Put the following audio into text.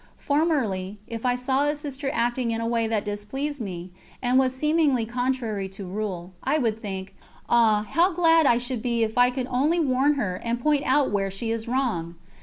Formerly, if I saw a Sister acting in a way that displeased me, and was seemingly contrary to rule, I would think: "Ah, how glad I should be if only I could warn her and point out where she is wrong."